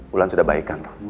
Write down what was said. wulan sudah baikan